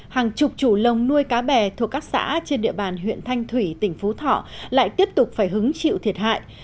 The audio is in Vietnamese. hàng chục chủ lồng nuôi cá bè thuộc các xã trên địa bàn huyện thanh thủy tỉnh phú thọ lại tiếp tục phải hứng chịu thiệt hại